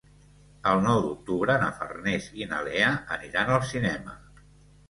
El nou d'octubre na Farners i na Lea aniran al cinema.